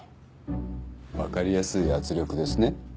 分かりやすい圧力ですね。